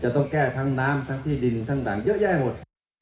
ต้องแก้ทั้งน้ำทั้งที่ดินทั้งหนังเยอะแยะหมด